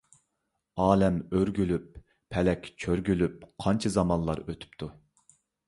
ئالەم ئۆرگۈلۈپ، پەلەك چۆرگۈلۈپ، قانچە زامانلار ئۆتۈپتۇ.